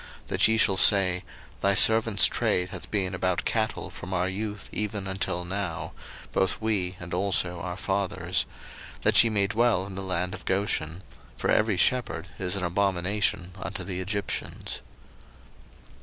01:046:034 That ye shall say, Thy servants' trade hath been about cattle from our youth even until now, both we, and also our fathers: that ye may dwell in the land of Goshen; for every shepherd is an abomination unto the Egyptians.